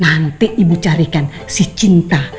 nanti ibu carikan si cinta